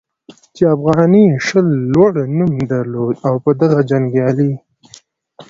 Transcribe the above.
چې افغاني شل لوړ نوم درلود او په دغه جنګیالي